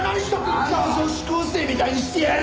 あの女子高生みたいにしてやる！